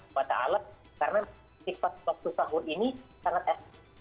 karena istighfar waktu sahur ini sangat es